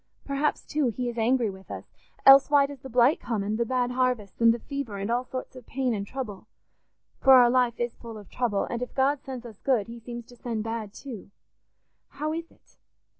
Perhaps, too, he is angry with us; else why does the blight come, and the bad harvests, and the fever, and all sorts of pain and trouble? For our life is full of trouble, and if God sends us good, he seems to send bad too. How is it?